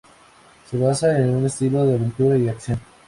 Se basa en un estilo de aventura y acción.